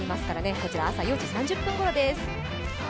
こちら、朝４時３０分ごろです。